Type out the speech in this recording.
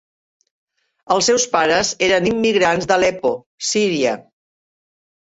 Els seus pares eren immigrants d'Aleppo, Syria.